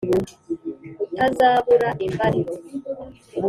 utazabura imbaliro